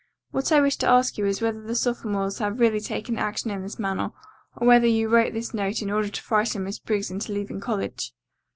What I wish to ask you is whether the sophomores have really taken action in this matter, or whether you wrote this note in order to frighten Miss Briggs into leaving college?"